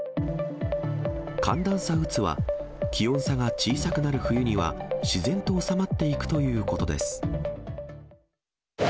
寒暖差うつは、気温差が小さくなる冬には自然とおさまっていくということです。